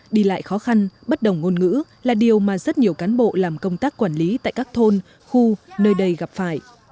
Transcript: đi lại khó khăn bất đồng ngôn ngữ là điều mà rất nhiều cán bộ làm công tác quản lý tại các thôn khu nơi đây gặp phải